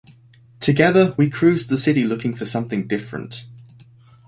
Together, we cruised the city looking for something different.